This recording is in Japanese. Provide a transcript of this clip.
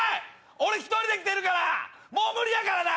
俺１人で来てるからもう無理やからな！